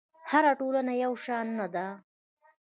هره ټولنه یو شان نه ده.